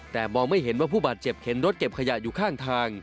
แต่มองไม่เห็นว่าผู้บาดเจ็บเข็นรถเก็บขยะอยู่ข้างทาง